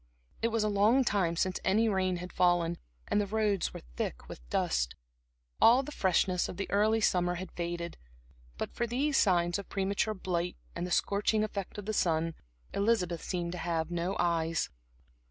It was a long time since any rain had fallen, and the roads were thick with dust. All the freshness of the early summer had faded. But for these signs of premature blight and the scorching effect of the sun, Elizabeth seemed to have no eyes.